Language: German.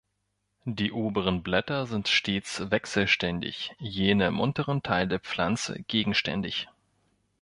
Die oberen Blätter sind stets wechselständig, jene im unteren Teil der Pflanze gegenständig.